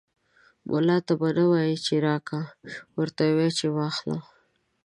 ملا ته به نه وايي چې راکه ، ورته وايې به چې واخله.